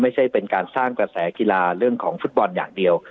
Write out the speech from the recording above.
ไม่ใช่เป็นการสร้างกระแสกีฬาเรื่องของฟุตบอลอย่างเดียว